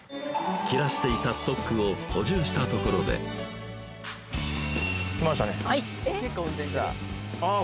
切らしていたストックを補充したところで来ましたねはいあっ